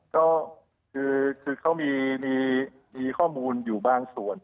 ก็คือเขามีข้อมูลอยู่บางส่วน